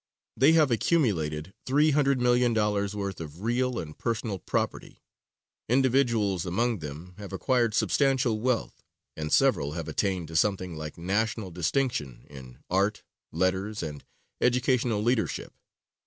They have accumulated three hundred million dollars worth of real and personal property. Individuals among them have acquired substantial wealth, and several have attained to something like national distinction in art, letters and educational leadership.